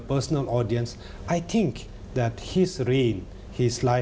เพราะถ้าคุณได้ดูชีวิตของพระเจ้า